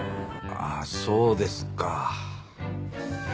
あっそうですか。